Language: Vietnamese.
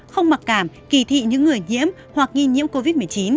không mặc cảm kỳ thị những người nhiễm hoặc nghi nhiễm covid một mươi chín